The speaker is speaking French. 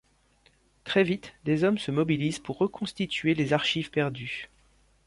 Très vite, des hommes se mobilisent pour reconstituer les archives perdues.